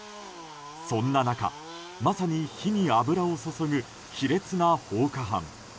そんな中、まさに火に油を注ぐ卑劣な放火犯。